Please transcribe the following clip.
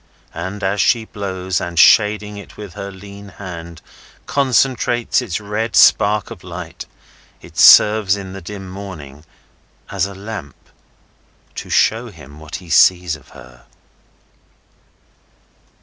And as she blows, and shading it with her lean hand, concentrates its red spark of light, it serves in the dim morning as a lamp to show him what he sees of her.